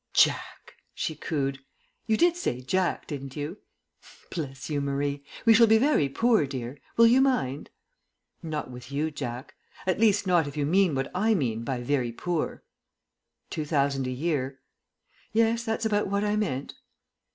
"Jack!" she cooed. "You did say 'Jack,' didn't you?" "Bless you, Marie. We shall be very poor, dear. Will you mind?" "Not with you, Jack. At least, not if you mean what I mean by 'very poor.'" "Two thousand a year." "Yes, that's about what I meant."